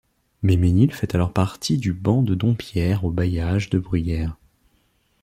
Méménil fait alors partie du ban de Dompierre au bailliage de Bruyères.